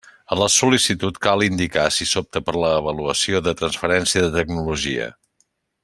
A la sol·licitud cal indicar si s'opta per l'avaluació de transferència de tecnologia.